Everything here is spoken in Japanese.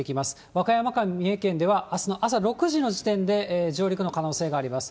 和歌山県、三重県ではあすの朝６時の時点で上陸の可能性があります。